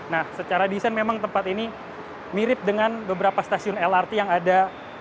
nah secara desain memang tempat ini mirip dengan beberapa stasiun lrt yang ada